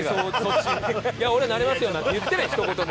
「いや俺なれますよ」なんて言ってないひと言も。